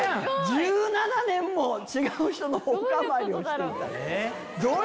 １７年も違う人のお墓参りをしていた。